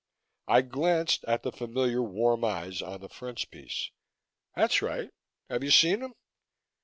I glanced at the familiar warm eyes on the frontispiece. "That's right. Have you seen him?"